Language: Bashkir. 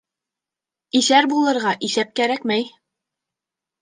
Иҫәр булырға иҫәп кәрәкмәй.